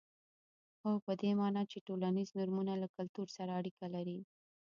هو په دې معنا چې ټولنیز نورمونه له کلتور سره اړیکه لري.